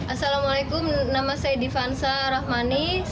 assalamualaikum nama saya divansa rahmani